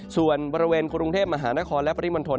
ส่วนบริเวณกรุงเทพมหานครและปริมณฑล